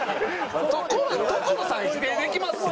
所さん否定できます？